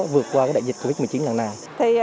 vượt qua đại dịch covid một mươi chín lần này